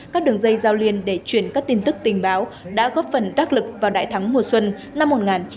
các đường dây giao liên để truyền các tin tức tình báo đã góp phần đắc lực vào đại thắng mùa xuân năm một nghìn chín trăm bảy mươi năm